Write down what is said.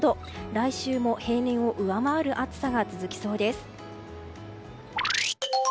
来週も平年を上回る暑さが続きそうです。